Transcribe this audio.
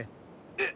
えっ！？